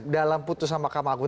dalam putusan makam agung